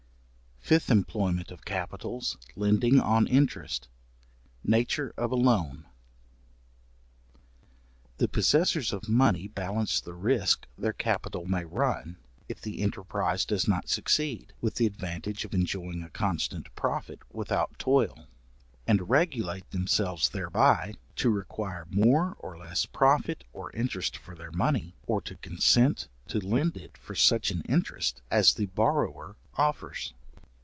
Fifth employment of capitals, lending on interest; nature of a loan. The possessors of money balance the risque their capital may run, if the enterprise does not succeed, with the advantage of enjoying a constant profit without toil; and regulate themselves thereby, to require more or less profit or interest for their money, or to consent to lend it for such an interest as the borrower offers.